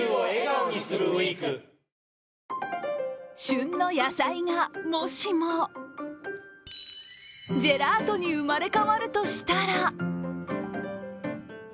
旬の野菜がもしもジェラートに生まれ変わるとしたら。